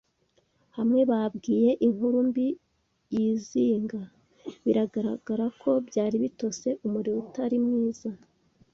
hamwe babwiye inkuru mbi yizinga. Biragaragara ko byari bitose, umuriro, utari mwiza